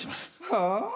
はあ？